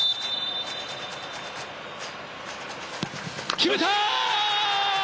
決めた！